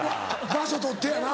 場所取ってやな。